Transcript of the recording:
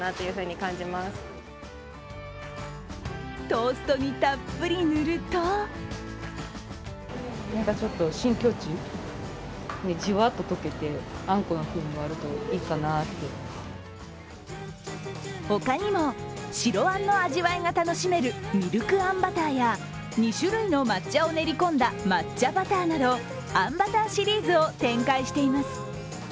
トーストにたっぷり塗ると他にも白あんの味わいが楽しめるミルクあんバターや２種類の抹茶を練り込んだ抹茶バターなどあんバターシリーズを展開しています。